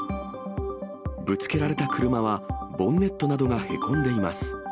ぶつけられた車は、ボンネットなどがへこんでいます。